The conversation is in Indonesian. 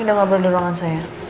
ini dong abang ada di ruangan saya